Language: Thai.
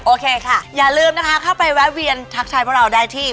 โอเคค่ะอย่าลืมนะคะเข้าไปแวะเวียนทักทายพวกเราได้ที่